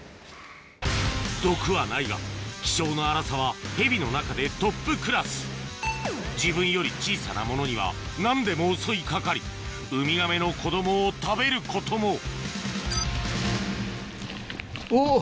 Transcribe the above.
毒はないが気性の荒さはヘビの中でトップクラス自分より小さなものには何でも襲い掛かりウミガメの子供を食べることもおぉ。